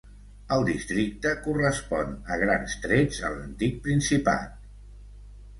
El districte correspon a grans trets a l'antic principat.